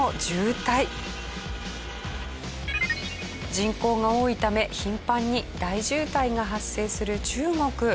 人口が多いため頻繁に大渋滞が発生する中国。